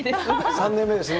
３年目ですね。